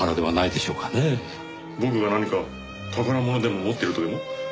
僕が何か宝物でも持ってるとでも？